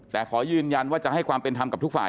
แต่ขอยืนยันว่าจะให้ความเป็นธรรมกับทุกฝ่าย